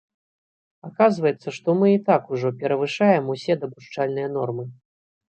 Аказваецца, што мы і так ужо перавышаем усе дапушчальныя нормы.